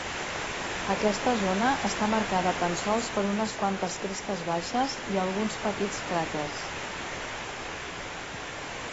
Aquesta zona està marcada tan sols per unes quantes crestes baixes i alguns petits cràters.